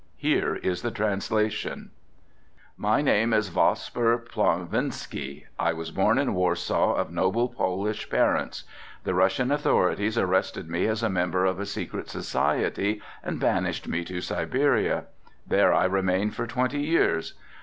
Here is the translation:— "My name is Vospar Plonvisky, I was born in Warsaw of noble Polish parents. The Russian authorities arrested me as a member of a secret society and banished me to Siberia. There I remained for twenty years.